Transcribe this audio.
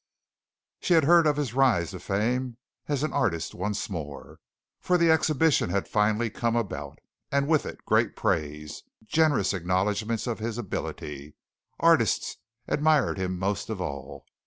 She had heard of his rise to fame as an artist once more, for the exhibition had finally come about, and with it great praise, generous acknowledgments of his ability artists admired him most of all.